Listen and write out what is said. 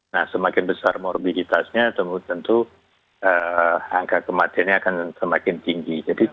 nah semakin besar morbiditasnya tentu angka kematiannya akan semakin tinggi